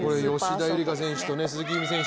吉田夕梨花選手と鈴木夕湖選手。